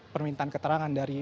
permintaan keterangan dari